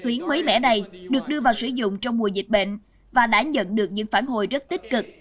tuyến mới mẻ này được đưa vào sử dụng trong mùa dịch bệnh và đã nhận được những phản hồi rất tích cực